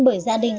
bởi gia đình